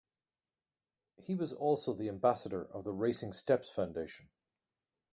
He was also the ambassador of the Racing Steps Foundation.